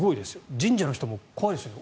神社の人も怖いですよね。